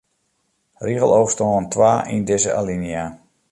Rigelôfstân twa yn dizze alinea.